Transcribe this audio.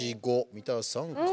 三田さん、柿。